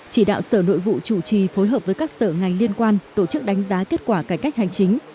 chỉ đạo sở nội vụ chủ trì phối hợp với các sở ngành liên quan tổ chức đánh giá kết quả cải cách hành chính